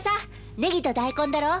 ネギと大根だろ。